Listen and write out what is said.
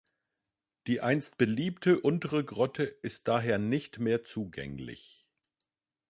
Die einst beliebte untere Grotte ist daher nicht mehr zugänglich.